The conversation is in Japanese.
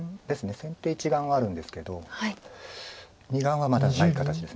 先手１眼はあるんですけど２眼はまだない形です。